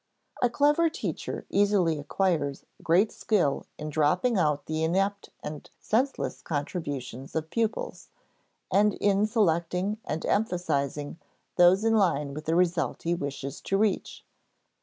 A clever teacher easily acquires great skill in dropping out the inept and senseless contributions of pupils, and in selecting and emphasizing those in line with the result he wishes to reach.